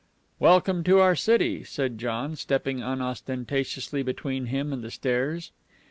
"Welcome to our city," said John, stepping unostentatiously between him and the stairs.